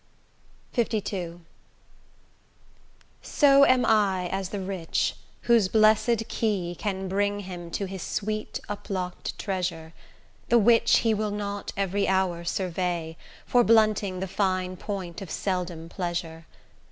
LII So am I as the rich, whose blessed key, Can bring him to his sweet up locked treasure, The which he will not every hour survey, For blunting the fine point of seldom pleasure.